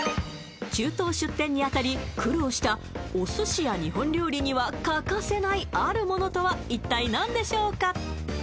中東出店にあたり苦労したお寿司や日本料理には欠かせないあるモノとは一体何でしょうか？